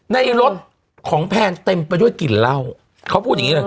ในรถของแพนเต็มไปด้วยกลิ่นเหล้าเขาพูดอย่างงี้เลย